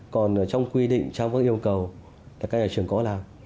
còn trong quy định trong các yêu cầu là các nhà trường có làm